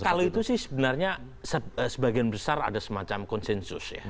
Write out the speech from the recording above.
kalau itu sih sebenarnya sebagian besar ada semacam konsensus ya